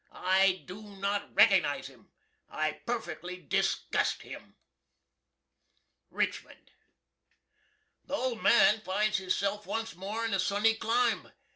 I do not recognize him. I perfectly disgust him. RICHMOND. The old man finds hisself once more in a Sunny climb.